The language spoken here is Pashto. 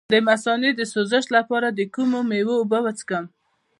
د مثانې د سوزش لپاره د کومې میوې اوبه وڅښم؟